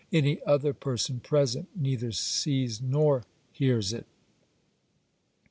Any other person present neither sees nor hears it.